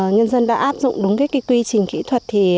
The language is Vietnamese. nhân dân đã áp dụng đúng quy trình kỹ thuật